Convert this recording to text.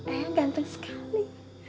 ayah ganteng sekali